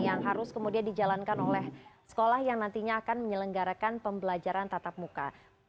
yang harus kemudian dijalankan oleh sekolah yang nantinya akan menyelenggarakan pembelajaran tatap muka